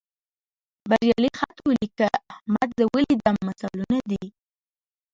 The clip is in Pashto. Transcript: بریالي خط ولیکه، احمد زه ولیدلم مثالونه دي.